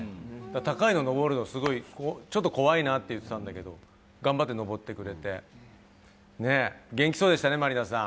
高いの上るのちょっと怖いなって言ってたんだけど、頑張って登ってくれて、元気そうでしたね、満里奈さん。